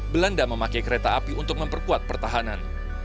belanda memakai kereta api untuk memperkuat pertahanan